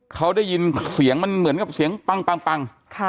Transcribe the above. เขาได้ยินเสียงมันเหมือนกับเสียงปัง